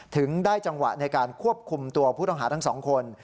ถึงได้จังหวะในการควบคุมตัวผู้ต้องหาทั้งสองคน